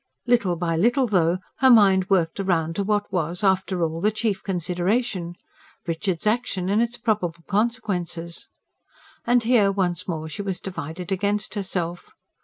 Little by little, though, her mind worked round to what was, after all, the chief consideration: Richard's action and its probable consequences. And here once more she was divided against herself.